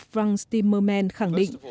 frank timmerman khẳng định